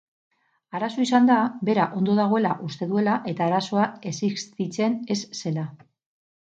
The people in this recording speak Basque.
Arazo izan da bera ondo dagoela uste duela eta arazoa existitzen ez zela.